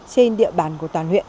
trên địa bàn của toàn huyện